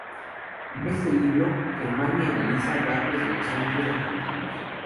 En este libro, Germani analiza datos de los censos argentinos.